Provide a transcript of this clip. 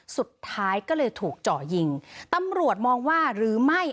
สุดท้ายก็เลยถูกเจาะยิงตำรวจมองว่าหรือไม่